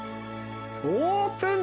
オープン。